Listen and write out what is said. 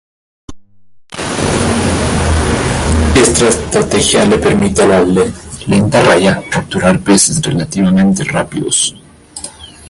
Esta estrategia le permite a la lenta raya capturar peces relativamente rápidos.